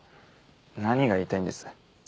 何が言いたいんです？